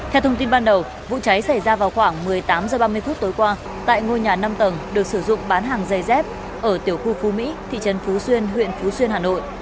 theo thông tin ban đầu vụ cháy xảy ra vào khoảng một mươi tám h ba mươi tối qua tại ngôi nhà năm tầng được sử dụng bán hàng giày dép ở tiểu khu phú mỹ thị trấn phú xuyên huyện phú xuyên hà nội